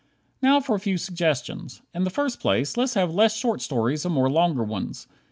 Now for a few suggestions. In the first place, let's have less short stories, and more longer ones.